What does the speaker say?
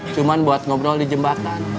cuma buat ngobrol di jembatan